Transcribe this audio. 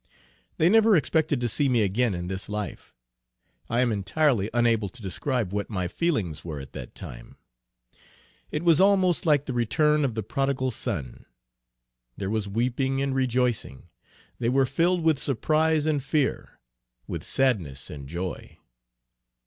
They never expected to see me again in this life. I am entirely unable to describe what my feelings were at that time. It was almost like the return of the prodigal son. There was weeping and rejoicing. They were filled with surprise and fear; with sadness and joy.